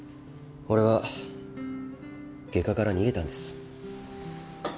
俺は外科から逃げたんです。